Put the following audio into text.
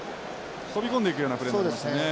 飛び込んでいくようなプレーになりましたね。